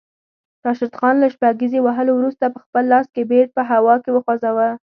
راشد خان له شپږیزې وهلو وروسته پخپل لاس کې بیټ په هوا کې وخوځاوه